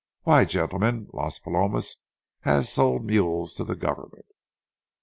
Why, gentlemen, Las Palomas has sold mules to the government."